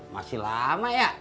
masih lama ya